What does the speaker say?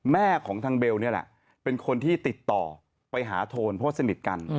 แม่ของทางเบลนี่แหละเป็นคนที่ติดต่อไปหาโทนเพราะว่าสนิทกัน